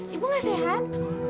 ibu nggak sehat